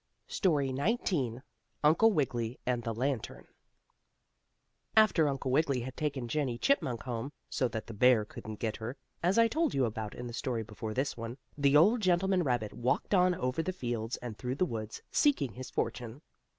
STORY XIX UNCLE WIGGILY AND THE LANTERN After Uncle Wiggily had taken Jennie Chipmunk home, so that the bear couldn't get her, as I told you about in the story before this one, the old gentleman rabbit walked on over the fields and through the woods, seeking his fortune.